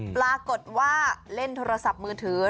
ปรากฏว่าเล่นโทรศัพท์มือถือ